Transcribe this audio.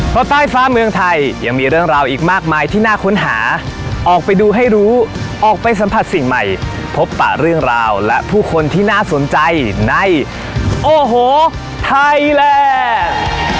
เพราะใต้ฟ้าเมืองไทยยังมีเรื่องราวอีกมากมายที่น่าค้นหาออกไปดูให้รู้ออกไปสัมผัสสิ่งใหม่พบปะเรื่องราวและผู้คนที่น่าสนใจในโอ้โหไทยแลนด์